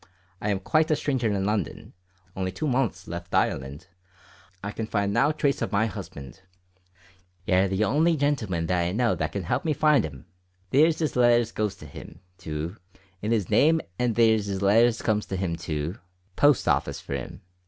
I ham quite a stranger in London, only two months left Ireland i can find know trace of my husband your the only gentleman that I know that can help me to find him. Thears is letters goes to him to in his name and thears is letters comes to him to the Post Office for him.